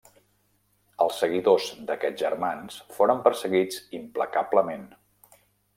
Els seguidors d'aquests germans foren perseguits implacablement.